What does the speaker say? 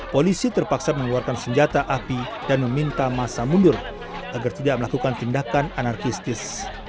polisi terpaksa mengeluarkan senjata api dan meminta masa mundur agar tidak melakukan tindakan anarkistis